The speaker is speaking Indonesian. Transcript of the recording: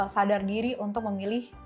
sadar diri untuk memilih